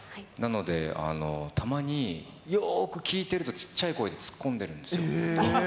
なので、たまによーく聞いてると、小っちゃい声で突っ込んでるんですよ。